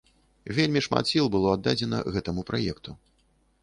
Вельмі шмат сіл было аддадзена гэтаму праекту.